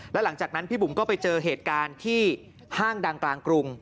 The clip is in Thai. แล้วหลังจากนั้นพี่บุ๋มก็ไปเจอเหตุการณ์ที่ห้างดังกลางกรุง